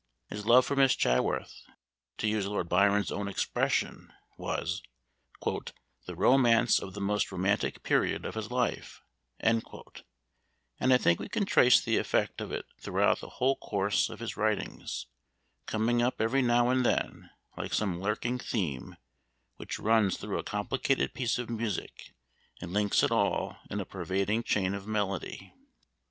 His love for Miss Chaworth, to use Lord Byron's own expression, was "the romance of the most romantic period of his life," and I think we can trace the effect of it throughout the whole course of his writings, coming up every now and then, like some lurking theme which runs through a complicated piece of music, and links it all in a pervading chain of melody.